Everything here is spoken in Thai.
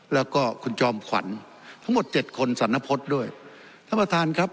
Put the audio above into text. แล้วก็คุณจอมขวัญทั้งหมดเจ็ดคนสรรพฤษด้วยท่านประธานครับ